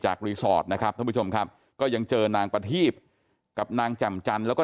รีสอร์ทนะครับท่านผู้ชมครับก็ยังเจอนางประทีบกับนางแจ่มจันทร์แล้วก็